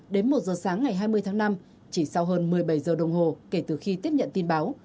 đến một giờ sáng ngày hai mươi tháng năm chỉ sau hơn một mươi bảy giờ đồng hồ kể từ khi tiếp nhận tin báo